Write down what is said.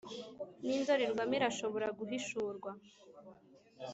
n'indorerwamo irashobora guhishurwa.